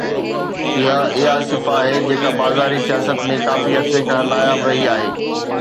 اها اها صنف آهي جيڪا بازاري سياست ۾ ڪافي عرصي کان ناياب رهي آهي.